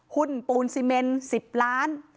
หุ้นปูนสิเมน๑๐ล้าน